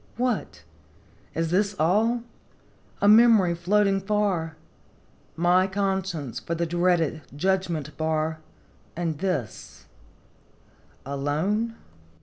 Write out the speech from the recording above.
What ! is this all ? A memory floating far ; My conscience for the dreaded judgment bar ; And this alone?"